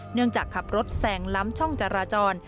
เนื่องจากขับรถแซงล้ำช่องจราจร